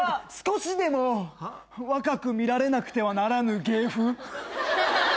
少しでも若く見られなくてはならぬ芸風！